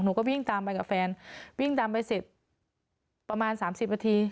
หนูก็วิ่งตามไปกับแฟนวิ่งตามไปเสร็จประมาณสามสิบนาที